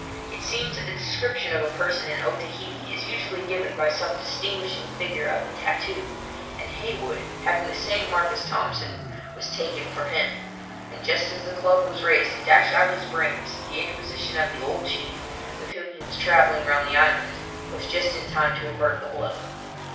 It seems that the description of a person in Otaheite is usually given by some distinguishing figure of the tattoo, and Heywood, having the same marks as Thompson, was taken for him; and just as the club was raised to dash out his brains, the interposition of an old chief, with whom he was travelling round the island, was just in time to avert the blow.